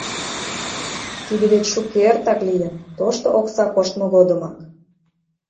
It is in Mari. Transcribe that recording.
Тиде вет шуке-эртак лийын, тошто окса коштмо годымак.